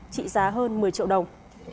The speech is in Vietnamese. trị giá hơn một mươi triệu đồng